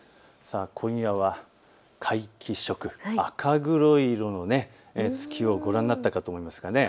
今夜は皆既食、赤黒い色の月をご覧になったかと思います。